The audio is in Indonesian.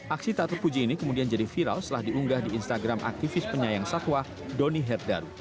aksi tak terpuji ini kemudian jadi viral setelah diunggah di instagram aktivis penyayang satwa doni herdaru